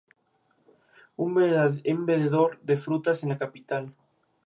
Un vendedor de frutas en la capital.